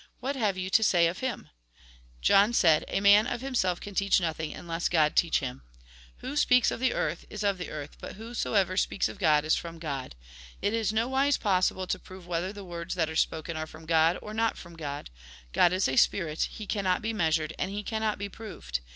What have you to say of him ?" John said :" A man of himself can teach nothing, unless God teach him. Who speaks of the earth, is of the earth ; but whosoever speaks of God, Jn. iv. 21. LIFE m THE SPIRIT 37 Jn. iii. 32 34. 35. Lk. xi. 37, 39 41. is from God. It is nowise possible to prove whether the words that are spoken are from God or not from God. God is a spirit ; He cannot be measured, and He cannot be proved.